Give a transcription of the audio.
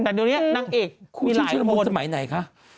แต่เดี๋ยวนี้นังเอกมีหลายคนคู่ชื่นชุนรมุนสมัยไหนคะ